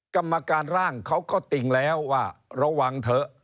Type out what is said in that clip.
กรรมการร่างเขาก็ติ่งแล้วว่าระวังเถอะ